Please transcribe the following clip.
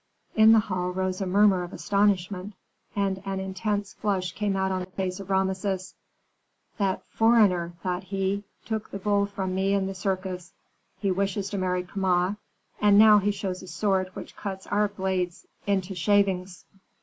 In the hall rose a murmur of astonishment, and an intense flush came out on the face of Rameses. "That foreigner," thought he, "took the bull from me in the circus, he wishes to marry Kama, and now he shows a sword which cuts our blades into shavings."